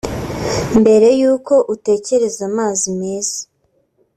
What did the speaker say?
Mbere y’uko utekereza amazi meza